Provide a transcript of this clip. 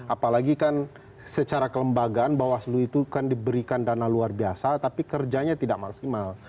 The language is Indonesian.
apalagi kan secara kelembagaan bawaslu itu kan diberikan dana luar biasa tapi kerjanya tidak maksimal